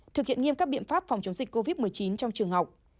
thực hiện nghiêm các biện pháp phòng chống dịch covid một mươi chín trong trường học